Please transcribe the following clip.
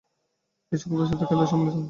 এই-সকল ব্যাসার্ধই কেন্দ্রে সম্মিলিত হয়।